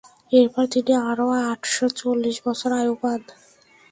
এরপর তিনি আরো আটশ চল্লিশ বছর আয়ু পান।